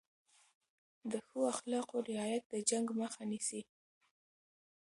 د ښو اخلاقو رعایت د جنګ مخه نیسي.